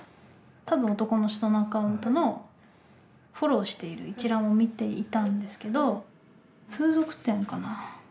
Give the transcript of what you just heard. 多分男の人のアカウントのフォローしている一覧を見ていたんですけど風俗店かな？